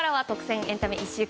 エンタメ１週間。